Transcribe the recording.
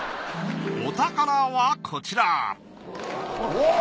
お宝はこちらお！